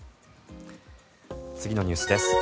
次のニュースです。